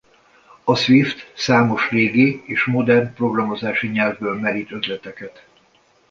A Swift számos régi és modern programozási nyelvből merít ötleteket.